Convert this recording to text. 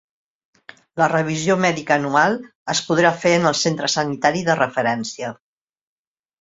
La revisió mèdica anual es podrà fer en el centre sanitari de referència.